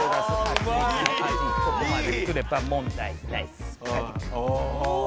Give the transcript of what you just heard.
すごい。